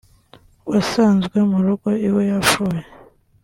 wasanzwe murugo iwe yapfuye